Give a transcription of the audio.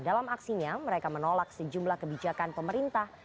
dalam aksinya mereka menolak sejumlah kebijakan pemerintah